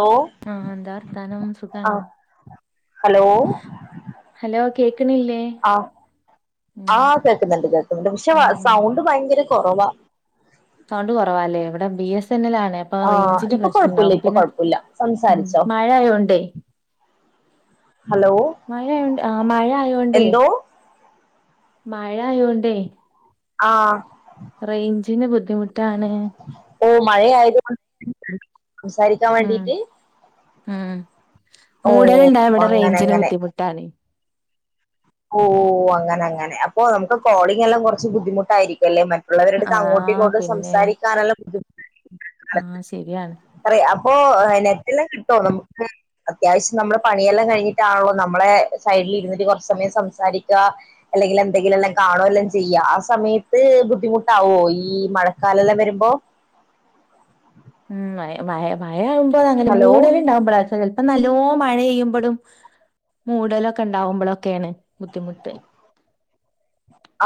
Hello ആ എന്താ വർത്താനം ആ സുഖാണോ, ഹലോ ഹലോ കേക്കണില്ലേ ആ ആ ഉം കേൾക്കുന്നുണ്ട്, കേൾക്കുന്നുണ്ട്. പക്ഷെ ഉം സൗണ്ട് ഭയങ്കര കുറവാ സൗണ്ട് കൊറവാല്ലേ, ഇവിടെ ബി എസ്- സെൻ. എൽ ആണ്. അപ്പാ ആ റേഞ്ചിന്റെ ഇപ്പൊ പ്രശ്നണ്ടാവും, കൊഴപ്പില്ല ഇപ്പൊ പിന്നെ കൊഴപ്പില്ല ഈ സംസാരിച്ചോ മഴ ആയോണ്ടേ ഹലോ മഴയായൊണ്, ആ മഴ ആയോണ്ടേ എന്തോ മഴ ആയോണ്ടേ ആഹ് തിന് ബുദ്ധിമുട്ടാണ്. മഴയായത് കൊണ്ട് സംസാരിക്കാൻ ഉം വേണ്ടീട്ട്, ഉം ഓ മൂടൽ ഇണ്ടായാ ഇവിടെ അങ്ങനെ റേഞ്ചിന് അങ്ങനെ ബുദ്ധിമുട്ടാണ്, ഓ അങ്ങനെ അങ്ങനെ, അപ്പൊ നമുക്ക് കോളിങ് എല്ലാം കുറച്ച് ബുദ്ധിമുട്ടായിരിക്കും അല്ലേ, മ ഉള്ളവരുടെ ആഹ് അങ്ങോട്ടുങ്ങോട്ടും പിന്നെ സംസാരിക്കാനുള്ള ബുദ്ധിമു ആഹ് ശരിയാണ്, ഓഹ് ഏഹ് നെറ്റെല്ലാം കിട്ടും നമുക്ക് അത്യാവശ്യം നമ്മളെ പണിയെല്ലാം കഴിഞ്ഞിട്ടാണല്ലോ, നമ്മളെ സൈഡിൽ ഇരുന്ന്ട്ട് കുറച്ച് സമയം സംസാരിക്ക അല്ലെങ്കിൽ എന്തെങ്കിലും എല്ലാം കാണോ എല്ലാം ചെയ്യാ, ആ സമയത്ത് ബുദ്ധിമുട്ടാവോ ഈ ഈ മഴക്കാലല്ലാം വരുമ്പോ ഉം മഴ മഴ മഴ ആവുമ്പോഴാ അങ്ങനെ ഹലോ മൂടൽ ഉണ്ടാവുമ്പഴാ ചെൽപം നൽ ലോം മഴെയ്യുമ്പോഴും മൂടലൊക്കെ ഉണ്ടാവുമ്പളൊക്കെണ് ബുദ്ധിമുട്ട്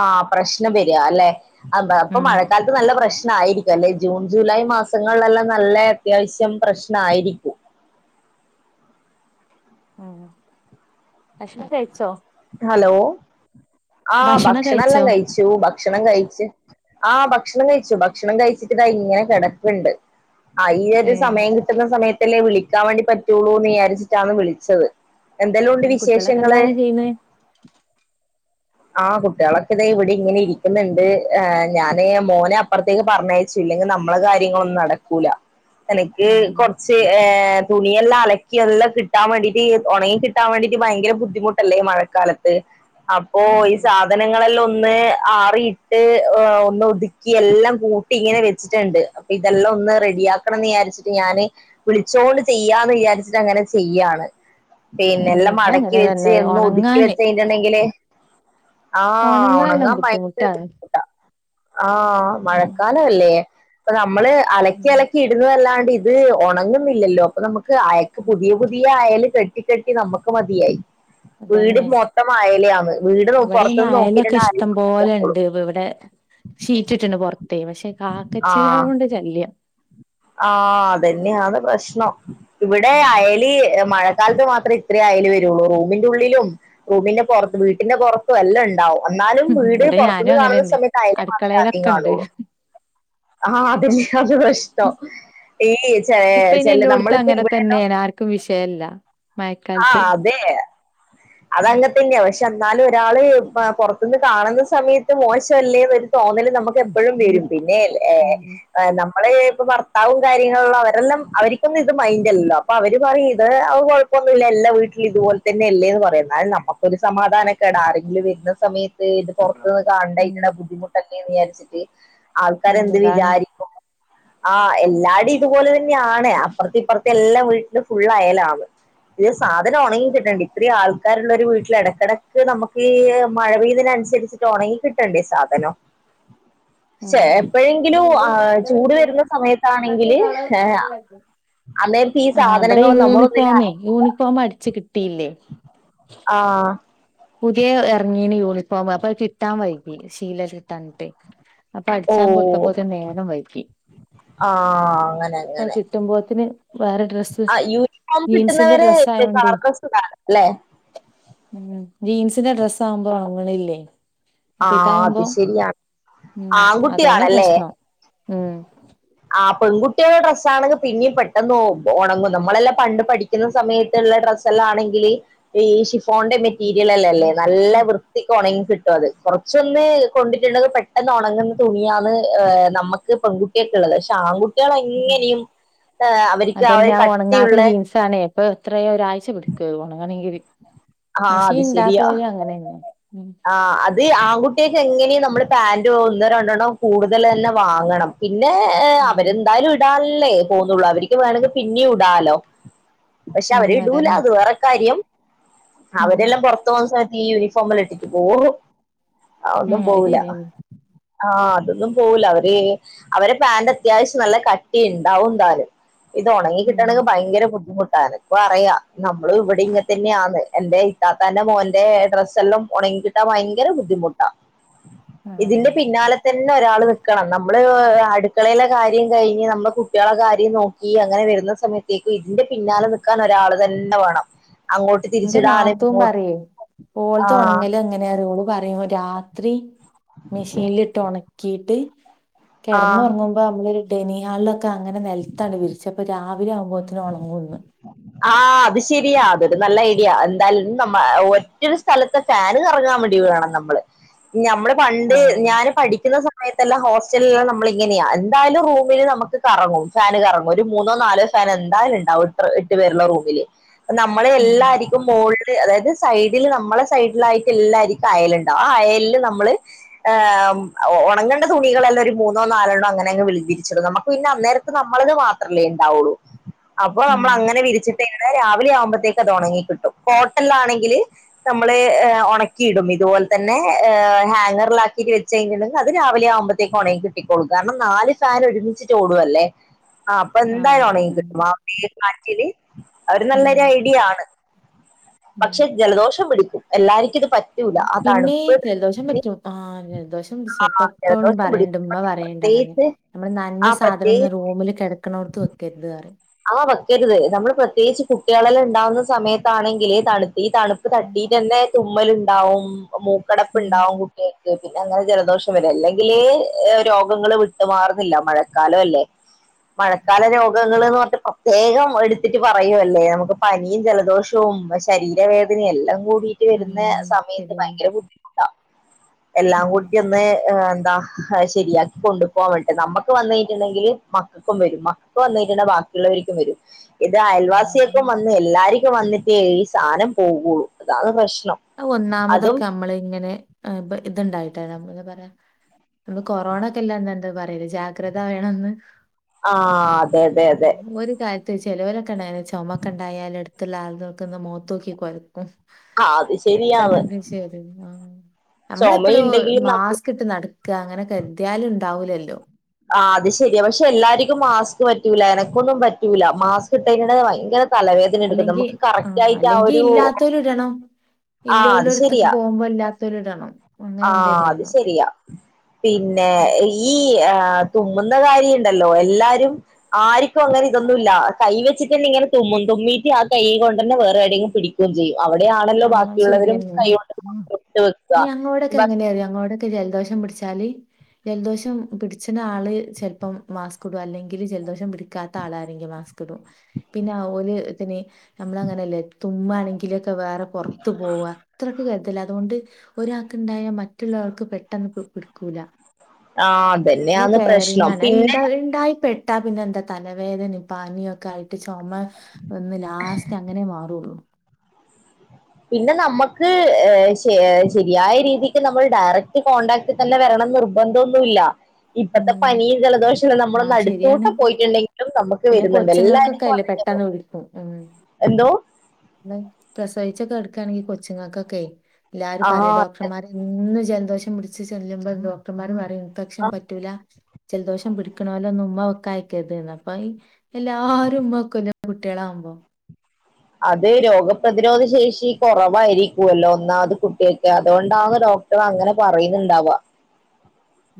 ആഹ് പ്രശ്നം വരാല്ലെ?. അബ പ്പം ഉം മഴക്കാലത്ത് നല്ല പ്രശ് ന്നായിരിക്കും അല്ലെ?. ജൂൺ ജൂലൈ മാസങ്ങളിലെല്ലാം നല്ല അത്യാവശ്യം പ്രശ്നായിരിക്കും. ആഹ് ഭക്ഷണം കഴിച്ചോ? ഹലോ, ആഹ് ഭക്ഷണം ഭക്ഷണല്ലാം കഴിച്ചോ കഴിച്ചു ബ ക്ഷണം കഴിച്ചു, ആ ഭക്ഷണം കഴിച്ചു ഭക്ഷണം കഴിച്ചിട്ട് ഇതാ ഇങ്ങനെ കിടക്ക്ണ്ട്. ആഹ് ഈ ഏ ഒരു സമയം കിട്ടുന്ന സമയത്തല്ലേ വിളിക്കാൻ വേണ്ടി പറ്റുള്ളൂന്ന് വിചാരിച്ചിട്ടാണ് വിളിച്ചത്. എന്തെല്ലാം ഉണ്ട് കുട്ടികളൊക്കെ എന്താ വിശേഷങ്ങള്, ചെയ്യുന്നേ ആഹ് കുട്ട്യേളൊക്കെ ഇതെ ഇവിടെ ഇങ്ങനെ ഇരിക്കുന്നുണ്ട്, ആഹ് ഞാന് മോനെ അപ്പുറത്തേക്ക് പർഞ്ഞയച് ഇല്ലങ്കിൽ നമ്മളെ കാര്യങ്ങളൊന്നും നടക്കൂല എനിക്ക് ആഹ് കൊറച്ച് ഏ തുണിയെല്ലാം അലക്കി എല്ലാം കിട്ടാൻ വേണ്ടിട്ട് ഒണങ്ങി കിട്ടാൻ വേണ്ടീട്ട് ഭയങ്കര ബുദ്ധിമുട്ടല്ലേ ഈ മഴക്കാലത്ത് ഓഹ്, ഉം ഈ സാധനങ്ങളെല്ലാം ഒന്ന്- ആറിയിട്ട് ഒന്ന് ഒതുക്കി എല്ലാം കൂട്ടി ഇങ്ങനെ വെച്ചിട്ടുണ്ട്, ആ ഇതെല്ലാം- ഒന്ന് റെഡിയക്കണംന്ന് വിചാരിച്ചിട്ട്, ഞാന് വിളിച്ചോണ്ട് ചെയ്യാന്ന് വിചാരിച്ചിട്ട് അങ്ങനെ ചെയ്യാണ്. പിന്നെ ഉം എല്ലാം ഇത് മടക്കി അങ്ങനെ വെച്ച് തന്നെ ഒന്ന് ഒതുക്കി ഉണങ്ങാന് വെച്ച് കഴിഞ്ഞുണ്ടെങ്കില്. ആഹ്, ഉണങ്ങാനെല്ലാം ഒണങ്ങാൻ ഭയങ്കര ബുദ്ധിമുട്ടാണ് ബുദ്ധിമുട്ടാ ആഹ് ഉം മഴക്കാലയല്ലേ ഇപ്പൊ നമ്മള് അലക്കി ഉം അലക്കി ഇടുന്നതല്ല- ഇത് ഒണങ്ങുന്നില്ലല്ലോ അപ്പൊ നമുക്ക് അയെല് പുതിയ പുതിയ അയൽ കെട്ട- കട്ട കെട്ടി നമുക്ക് മതിയായി വീട് അതന്നെ മൊത്തം അയെലായാണ് ഇവിടെ ഈ അയലൊക്കെ ഇഷ്ടം പോലെ ഉണ്ട് ഇവിടെ ഷീറ്റ് ഇട്ടിട്ടുണ്ടണ്ട് പൊറത്ത് പക്ഷെ കാക്കച്ചികൾ കൊണ്ട് ശല്യം ആഹ അതന്നെയത് പ്രശ്നം ഇവിടെ ഉം അയെല് മഴ- കാലത്ത് മാത്രേ ഇത്രേ ആയാലേ വരുള്ളൂ റൂമിന്റെ ഉള്ളിലും റൂമിന്റെ പുറത്ത് വീട്ടിന്റെ പുറത്തുംല്ലാം ഉണ്ടാവും എന്നാലും വീട് ഇവിടെ ഞാനും പുറത്തുനിന്ന് അങ്ങനെ കാണുന്ന തന്നെ സമയത്ത് അയലെ മാത്രമേ ആദ്യം അടുക്കളയിലൊക്കെ ഉണ്ട് കാണുള്ളൂ ആഹ അത അ [unintelligible] ഈ ച ഇപ്പൊ ഇനി ചെ എല്ലോടത്തും നമ്മളിപ്പോ അങ്ങനെ ഇവിടെല്ലോ തന്നെയാണ് ആർക്കും വിഷയല്ല മഴക്കാലത്ത് ആഹഹ് അതെ അതങ്ങ തന്നെയ പകഷ് - ചെന്നാലും ഒരാള് പൊറത്തുന്ന് കാണുന്ന സമയത്ത് മോശമല്ലേന്ന്- തോന്നല് നമുക്ക് എപ്പോഴും വരും പിന്നെ ഉം നമ്മളപ്പ ഭർത്താവും കാര്യങ്ങള അവരെല്ലാം അവർക്കൊന്നും ഇത് മൈൻഡ്ല്ലോ അപ്പൊ അവര് പറയും ഇത്- ഇപ്പോ ഒന്നുമില്ല എല്ലാ വീട്ടിൽ ഇതുപോലെ തന്നെ അല്ലേന്ന് പറയുന്നത് എന്നാലും നമുക്ക്‌ ഒരു സമാധാനൊക്കെട ആരെങ്കിലും വരുന്ന സമയത്ത്- ഇത് പൊറുത്തുന്ന് കണ്ട ഉം ഇരിക്കണ ബുദ്ധിമുട്ടൊക്കെന്ന് വിചാരിച്ചിട്ട് ആൾക്കർ ഉം എന്ത് അതാണ് വിചാരിക്കും ആഹ് എല്ലാടും ഇതുപോലെ തന്നെയ ആാണ് അപ്പുറത്തി ഇപ്പുറത്തി എല്ലാം വീട്ടില് ഫുള്ള് ആയെലാണ് ഇത് സാധനം ഉണങ്ങിിച്ചിട്ടുണ്ട് ഇത്രയും ആൾക്കാള്ള ഒരു വീട്ടില ഇടക്കിടക്ക് നമുക്ക് ഈ മഴ പെയ്ത തിനനുസരിച്ചി് ഉറങ്ങി കിട്ടണ്ടേ സാധനം അ െ എപ്പോഴെങ്കിലും ആ ചൂട് വരുന്ന സമയത്താണെങ്കില് ഏ അന്നേപ്പ ഈ ആ ഇവിടെ സാധനങ്ങും നമ്മള ഒന്ന യൂണിഫോമേ യൂണിഫോം അടച്ച്ു കിട്ടിയില്ലേ ആ പുതിയ ഇറങ്ങീന് യൂണിഫോം അപ്പൊ കിട്ടാൻ വൈകി ശീലത്തിി തിട്ട് അപ്പൊ അടിച്ചാൻ കൊടുത്തപ്പോത്ത നേരം വൈക്ക്ി ആഹ അങ്ങനെ അങ്ങനെ കിട്ടുമ്പോത്തിന് വേറെ ഡ്രസ്സ് ആ യൂണിഫോം ജീൻസിന്റെ കിട്ടുന്നവര് ഡ്രസ്സ് ർക്കസ് കാല അല്ലേ ഉ ജീൻസിന്റെ ഡ്രസ്സ് ആവുമ്പോ അങ്ങനല്ലേ ആഹ അത് ശരിയാണ് ഉം അതുകൊണ്ടാ ആൺകുട്ടിയാണല്ലേ പ്രശ്നം ഉം കുറ്റുള്ള ഡ്രസ്സാണെങ്കിൽ പിന്നെയും പെട്ടെന്ന് ഉണങ്ങും നമ്മളെല്ലാം പണ്ട് പഠിക്കുന്ന സമയത്തുള്ള ഡ്രസ്സ് എല്ലാം ആണെങ്കിൽ ഈ ഷിഫോണന്റെ മെറ്റീരിയൽ അല്ലേ അല്ലേ നല്ല വൃത്തിക്ക ഉണങ്ങി കിട്ടും അത് കുറച്ചൊന്ന് കൊണ്ടിട്ടുുള്ളത് പെട്ടെന്ന് ഉണങ്ങുന്ന തുണിയാണ്് നമുക്ക് പെൺകുട്ടിയൊക്കെ ഉള്ളത് പക്ഷെ ആൺകുട്ടി ള എങ്ങനും അതന്നെയാ ഉണങ്ങാത്ത ജീൻസ ആണ ഇപ്പൊ എത്രയ ഒരാഴ്ച പിടിക്ക ഉണങ്ങണമെങ്കിൽ ആ മെഷീ അത് ഇന്താ ശരിയാ പോയത് അങ്ങനെ തന്നെ ആ അത് ആൺകുട്ടികക്ക എങ്ങനെയ നമ്മ പാന്റ് ഒന്ന രണ്ടെണ്ണം കൂടുതൽ തന്നെ വാങ്ങണം പിന്നെ അവരെന്തായാലും ഇടാ ല്ലേ പോന്നള്ളൂ അവർക്ക് വേണമെങ്കിൽ പിന്നെയ ഇടാലോ പക്ഷെ ഉം അവരിടൂല അതന്നെ അത് വേറെ കാര്യം ഉം അവരെല്ലാം പുറത്തു പോകുന്ന സമയത്ത് ഈ യൂണിഫോമ എല്ലാം ഇട്ടിട്ട് പോു ആ ഒന്നും ഉം അത് പോവല ശരിയന്നെ ആഹ അതൊന്നും പോവല അവര് അവരെ പാാന്റ് അത്യാവശ്യം നല്ല കട്ടി ഉണ്ടാവും എന്തല് ഇത് ഉം ഉണങ്ങിട്ടണെങ്ക ഭയങ്കര ബുദ്ധിു് തനക്ക് പറയാ നമ്മള് ഇവിടെ ഇങ്ങെ തന്നെയ ആന്ന് എന്റെ ഇത്താത്തന്റെ മോൻന്റെ അഡ്രസ്സ് എല്ലാം ഉണങ്ങി കിട്ടാൻ ഭയങ്കര ബുദ്ധിമുട്ടാ ആഹ് ഇതിന്റെ പിന്നാലെ തന്നെ നണം നമ്മള്ടുള ക ക നമ്മ കുട്ടിക ക നോ വരുന്ന സമയത്തേക്കും ഇതിന്റെ പിന്നാലെ നിക്കാൻ ഒരാള് തന്നെ വേണം അങ്ങോട്ട് ഇന്റെ തിരിച്ചിടാനും നാത്തൂൻ ഇങ്ങോട്ട് ആഹ അേരോള പറയുമോ രാത്രി മെഷീനിലിട്ട് ഉണക്കിട്ട് ആഹ് കിടന്ന്ുറങ്ങുമ്പോ നമ്മളൊ ഒരു ഡെനി ഹാളൊക്കെ അങ്ങനെ നിലത്താണ് വിരിച്ച് അപ്പൊാവെ [unintelligible] ആവും മ്പോത്തിന് ഉണങ്ങുംന്ന് ആ അത് ശരിയാ അതൊരു നല്ല ഐഡിയാ എന്തായാലും നമ്മ ഒറ്റൊരു സ്ഥലത്തെ ഫാന് കറങ്ങാൻ വേണ്ടി [unintelligible] നമ്മള് നമ്മള് പണ്ട് ആഹ് ഞാന് പഠിക്കുന്ന സമ സമയത്തല്ലാ ഹോസ്റ്റലെല്ലാം നമ്മളിങ്ങനെയാ എന്തായാലും റൂമില് നമക്ക് കറങ്ങും ഫാന് കറങ്ങും ഒരു മൂന്നോ നാലോ അന്നേരം എന്തായാലും ഉണ്ടാവും എട്ട് എട്ടു പേരുള്ള റൂമില് നമ്മള് ഉം എല്ലാരിക്കും മോൾ അതായത് സൈഡിൽ നമ്മളെ സൈഡിലായിട്ട് എല്ലാരിക്കും അയല്ണ്ടാവും ആ അയലില് നമ്മള് ങേ അംഅ ഉണങ്ങേണ്ട തുണികളെല്ലാം ഒരു മൂന്നോ നാലെണ്ണം അങ്ങനങ്ങ് വിളി വിരിച്ച് നമക്ക് പിന്നെ അന്നേരത്ത് നമ്മളന്നെ മാത്രം ലെ ണ്ടാവൂളു അപ്പോ ഉം നമ്മളങ്ങ [unintelligible] ഇന്ന് രാവിലെ ആവുമ്പത്തേക്ക് അത് ഉണങ്ങി കിട്ടും ഹോട്ടലാണെങ്കിൽ നമ്മള് ഉണക്കി ഇതുപോൽ തന്നെ ഏ ഹാങ്ങറിലാക്കിട്ട് വെച്ചെഞ്ഞിട്ടു ണ്ടെങ്കി അത് രാവിലെ ആവുമ്പത്തേക്ക് ഒണങ്ങി കിട്ടിക്കോളൂ കാരണം നാല് ഫാന് ഒരുമിച്ചിട്ട് ഓടു അല്ലേ ആ അപ്പൊ ആഹ് എന്തായാലും അതന്നെ ഉണങ്ങികിട്ടും [unintelligible] കാറ്റില് അവര് ഉം നല്ലൊരു ഐഡിയ ആണ് ഉം പക്ഷെ ജലദോഷം പിടിക്കും എല്ലാരിക്കും ഇത് പറ്റൂല ആ പിന്നെ തണുപ്പ് ജലദോഷം പറ്റും ആ ജലദോഷം സിപ്പപ്പ എപ്പോഴും ജലദോഷം പറയണ്ട് ഉമ്മ പിടിക്കും പറയണ്ട് ഇണ്ട അങ്ങനെ പ്രത്യേകിച്ച് നമ്മള് ന്നൻഞ ആ പ്രത്യേകിച്ച് സാധനൊന്നും റൂമില് കെടക്ക്ണോട്ത്ത് വെക്കരുത് ന്ന് പറയും ആഹ് വെക്കരുത് നമ്മള് പ്രത്യേകിച്ച് കുട്ട്യാളെല്ലാ ഉണ്ടാവുന്ന സമയത്താണെങ്കില് തണു ഈ തണുപ്പ് ഉം തട്ടി തന്നെ തുമ്മലുണ്ടാവും മൂക്കടപ്പ ഉം ഉണ്ടാവും കുട്ടി പിന്നെ അങ്ങനെ ജലദോഷം വര അല്ലെങ്കില് രോഗങ്ങള്ൾ വിട്ടുമാറുന്നില്ല മഴക്കാല അല്ലേ മഴക്കാല രോഗങ്ങൾന്ന് പറ പ്രത്യേകം എടുത്തിട്ട് പറയുമല്ലേ നമുക്ക് പനിയും ജലദോഷവും ശരീരവേദനയും എല്ലാം കൂടിട്ട് വരുന്ന ഉം സമയത്ത് ശരിയാണ് ഭയങ്കര ബുദ്ധിമുട്ടാണ് ഉം എല്ലാംകൂട്ടി ഒന്ന് ദാ അത് ശരിയാക്കി കൊണ്ടുപോവേണ്ടേ നമ്മക്ക് വന്നെയ്ഞ്ഞിട്ട്ണ്ടെങ്കി മക്കൾക്കും വരും മക്കൾക്ക് വന്നൈയ്ഞ്ഞിട്ട്ണ്ടെങ്കി ബാ ഇള്ളവരിക്കും വരും ഇത് ഉം അയൽവാസിയേക്കും പിന്നെ വന്ന് എല്ലാരി ക്ക്‌ വന്നിട്ടേ ഈ സാനം പോകുള്ളു അതാണ് പ്രശ്നം അത് അതും ഒന്നാമതൊക്കെ നമ്മള് ഇങ്ങനെ ആ ഇപ്പ ഇതുണ്ടായി [unintelligible] എന്താ പറയാ അന്ന് കൊറോണാക്കെല്ലെ അന്ന് എന്താ പറയല് ജാഗ്രത വേണംന്ന് ആ അതെ അതെ അതെ ഓര് കാ ചെലോരെക്കെ ഉണ്ടായാല് ചുമക്കെ ഉണ്ടായാല് എടുത്തുള്ള ആൾ നിക്കന്ന് മോത്തോക്കി കൊരക്കും ആ അത് ശരിയാണ് എട്ടന്ന് [unintelligible] ആ നമ്മളെപ്പളും ചുമയുണ്ടെങ്കിലും നമ്മൾ മാസ്ക് ഇട്ട് നട ക്ക് അങ്ങനെ കെദ്യാലും ഉണ്ടാവൂല്ലല്ലോ ആ അത് ശരിയാ പക്ഷെ എല്ലാരിക്കും മാസ്ക് പറ്റൂല എനക്കൊന്നും പറ്റൂല മാസ്ക് ഇട്ടൈഞാ ഭയങ്കര തലവേദന എടുക്കും നമക്ക് കറക്റ്റ് ആയിട്ട് ആ ഒരു ആ ഇല്ലോ അത് ഉള്ളോട്ത്ത്‌ക്ക് ശരിയാ പോകുമ്പോ ഇല്ലാത്തോരിടണം ആ അത് ശെരിയാ പിന്നെ ഈ ആ തുമ്മുന്ന കാര്യ ഉണ്ടല്ലോ എല്ലാരും ആർക്കും അങ്ങനെ ഇതൊന്നുംല്ല കൈ വെച്ചിട്ട്ന്നെ ഇങ്ങനെ തുമ മുന്തുമീറ്റ ആ കൊണ്ട തന്നെ വേറെ ടെങ്കും പിടിക്കുകയും ചെയ്യും അവിടെയാണല്ലോ ആ ശരി ബാക്കിയുള്ളവരും കൈകണ്ട് മാത്രട്ട് വെക്കുക [unintelligible] എങ്ങനെയ അങ്ങോടൊക്കെ ജലദോഷം പിടിച്ചാല് ജലദോഷം പിടിച്ചണ ആള് ചിലപ്പം മാസ്ക് ഇടുക അല്ലെങ്കിൽ ജലദോഷം പിടിക്കാത്ത ആളാരരെങ്കും [unintelligible] ന്ന നങ്ങുമ പുറത്തു പോകും അത്രക്കെ അതുകൊണ്ട് ഒരാക്ക്ണ്ടായാൽ മറ്റുള്ളവൾക്ക് പെട്ടെന്ന് പിടുക്കൂല ആഹ ഇല്ല കറിങ്ങാനെ ഉണ്ടായിപ്പെെട്ടാ പിന്നെ എന്താ തലവേദനയും പാനീയം ഒക്കെ ആയി ചുമ ഒന്ന് ലാസ്റ്റ് അങ്ങനെ മാറുള്ളൂ പിന്നെ നമുക്ക് ശരിയായ രീതിക്ക് നമ്മൾ ഡയറക്ട് കോൺടാക്ട് തന്നെ വരണം നിർബന്ധം ഒന്നുമല്ല ഇപ്പത്തെ ഉം പനിയും ജലദോഷല്ലം ആ നമ്മളൊന്ന് അടുത്തൂട്ട ശരിയാണ് പോയിട്ടുണ്ടെങ്കിലും നമുക്ക് വരുന്നുണ്ട് എല്ലാരിക്കും അതെന്നെ പെട്ടന്ന് വിളിക്ക് ഉം എന്തോ പ്രസവിച്ചൊക്കെ കെടക്കാണെങ്കില് കൊച്ചുങ്ങൾക്കൊക്കെ എല്ലാരും ആ പറയാ ഡോക്ടർമാർന്ന് ജല്ന്തോഷം പിടിച്ച് ചെല്ലുമ്പോൾ ഡോക്ടർമാര് പറയാണ് ആ ഇക്ഷൻ പറ്റൂല ജലദോഷം പിടിക്കണമല്ലോന്ന് ഉമ്മ കയ്യിക്കരുതുന്നു അപ്പൊ എല്ലാരും ഉമ്മവെക്കുല്ലേ കുട്ടികളാവകുമ്പോ അത് രോഗപ്രതിരോധ ശേഷി കുറവായിരിക്കുവല്ലോ ഒന്നാമത് കുട്ടിയൊക്കെ അതുകൊണ്ടാ ഡോക് കുട്ടിയോൾ അങ്ങനെ പറയുന്നുണ്ടവാ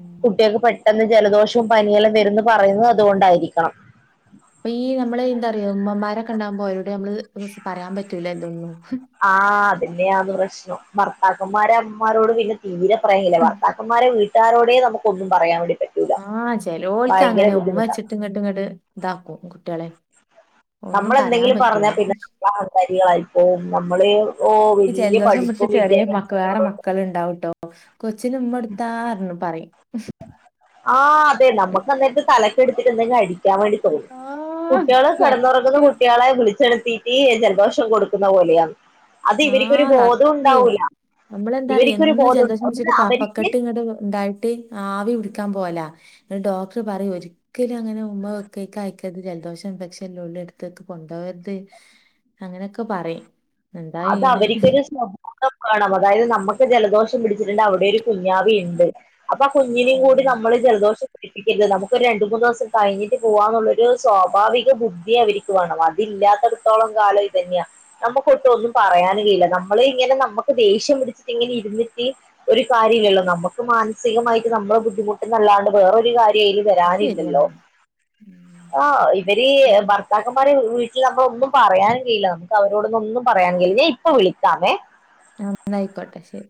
ഉം. കുട്ടിൾക്കെ പഠി പെട്ടെന്ന് ജലദോഷവും പനിയെല്ലാം വരുംന്ന് പറയുന്നത് അതുകൊണ്ടായിരിക്കണം അപ്പൊ ഈ നമ്മള് എന്താറയോ ഉമ്മമാരൊക്കെണ്ടാവുമ്പോ അവരോടെ നമ്മള് പറയാൻ പറ്റൂല ഇതൊന്നും ആഹ അതിന്നെയാണ് പ്രശ്നം ഭർത്താക്കന്മാരമ്മമാരോട് പിന്നെ തീരെ പറയില്ല ഭർത്താക്കമാരെ വീട്ടാരോടെ നമുക്കൊന്നും പറയാൻ വേണ്ടി പറ്റൂല ആഹ ചെലോളക്ക് ഭയങ്കര അങ്ങനെ ഉമ്മ ബുദ്ധിമുട്ടാണ് വെച്ചിട്ടും അങ്ങട്ടും ഇങ്ങട്ടും ഇതാക്കും കുട്ടികളെ ഒന്നും നമ്മൾ പറയാൻ എന്തെങ്കിലും പറ്റൂല പറഞ്ഞാൽ പിന്നെ നമ്മൾ അഹങ്കാരികളായിപ്പോവും നമ്മള് ഓ വലിയ ജലദോഷം വിട്ട് പഠിപ്പും ചെറിയ വിദ്യാഭ്യാസം മക്കള് വേറെ മക്കള ഉണ്ടാവട്ടോ കൊച്ചിനുമ്മ കൊടുത്താടന്ന് പറയും ആഹ് അതെ നമുക്ക് അന്നേരത്ത് തലക്ക് എടുത്തിട്ട് എന്തെങ്കും അടി ാൻ വേണ്ടിറ്റെ തോന്നും ആഹ് കുട്ടികള് കടന്നുറക്കുന്ന സത്യം കുട്ടികളെ വിളിച്ചെഴു സ്ഥിതീ ജലദോഷം കൊടുക്കുന്ന പോലെയാണ് അത് ഇവരിക്കൊരു ബോധം ഉണ്ടാവൂല നമ്മളെന്താറിയ ഇവർക്കൊരു എന്ന് ബോധം ജലദോഷം ഒന്ന് പിടിച്ചിട്ടു അവർക്ക് കഫക്കെട്ട് ഇങ്ങത്തെ ഉണ്ടായിട്ട് ആവി പിടി ക്കാമ്പോല. ങ്ങട്ട് ഡോക്ടർ പറയും ഒരിക്കലും അങ്ങനെ ഉമ്മ വെക്കെക്ക് അയ്ക്കര്ത് ജൽദോഷം ഇൻഫെക്ഷൻല്ലോല് ട്ത്തേക്ക് കൊണ്ടോകര്ത്. അങ്ങനൊക്കെ പറിം. അത് അവരിക്കൊരു സ് വേണം അതായത് നമുക്ക് ജലദോഷം പിടിച്ചിട്ടുണ്ട് അവിടൊരു കുഞ്ഞവയുണ്ട്. അപ്പൊ ആ കുഞ്ഞിനേും കൂടി ഉം നമ്മള് ജലദോഷം പഠിപ്പിക്കരുത് നമുക്ക് ഒരു രണ്ട് മൂന്ന് ദിവസം കഴിഞ്ഞിട്ട് പോവാന്നുള്ളൊരു സ്വാഭാവിക ബുദ്ധി അവർക്ക് വേണം അതി ഇല്ലാത്തടത്തോളം കാലം ഇതന്നെയാ നമ്മക്ക്. ഒന്നും പറയാനുകയില്ല നമ്മള് ഇങ്ങനെ നമുക്ക് ദേഷ്യം പിടിച്ചിട്ട് ഇങ്ങനെ ഇരുന്നിട്ട് ഒരു കാര്യല്ലല്ലോ നമ്മ നമുക്ക് മാനസികമായിട്ട് നമ്മള് ബുദ്ധിമുട്ടുമെന്നല്ലാണ്ട് വേറൊരു കാര്യം. ൽ വരാനില്ലല്ലോ ശരിയെന്നെ ആ ഇവര് ഉം ഭർത്താക്കന്മാരെ വീട്ടി നമ്മളൊന്നും പറയാനും കയില്ല നമുക്ക് അവരോടൊന്നൊന്ന് പറയാൻ കഴിയില്ല ഞാ ഇപ്പ വിളിക്കാവേ ന്നായിക്കോട്ടെ ശരി.